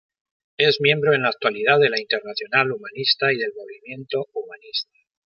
Es miembro en la actualidad de la Internacional Humanista y del Movimiento Humanista.